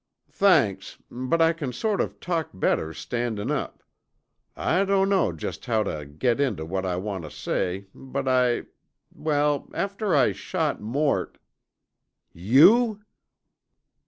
"Thanks, but I c'n sort of talk better, standin' up. I dunno just how tuh get intuh what I want tuh say, but I ... well, after I shot Mort " "_You?